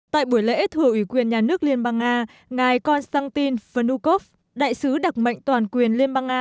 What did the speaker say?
tại buổi lễ thủ ủy quyền nhà nước liên bang nga ngài konstantin vnukov đại sứ đặc mệnh toàn quyền liên bang nga